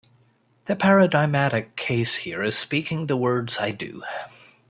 The paradigmatic case here is speaking the words I do.